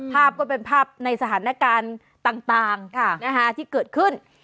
ภาพก็เป็นภาพในสถานการณ์ต่างที่เกิดขึ้น